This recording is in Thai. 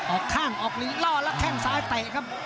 ออกข้างออกล่อแล้วแข้งซ้ายเตะครับ